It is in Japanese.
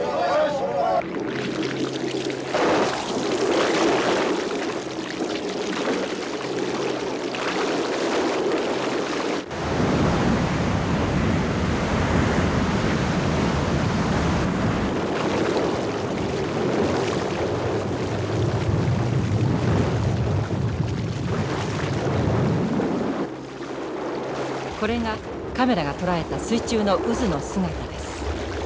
これがカメラが捉えた水中の渦の姿です。